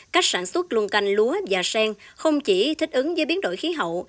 cách sản xuất luôn canh lúa và sen không chỉ thích ứng với biến đổi khí hậu